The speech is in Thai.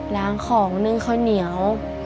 ล้างของนึ่งข้าวเหนียว